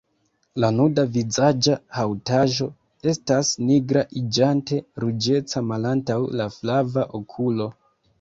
La nuda vizaĝa haŭtaĵo estas nigra, iĝante ruĝeca malantaŭ la flava okulo.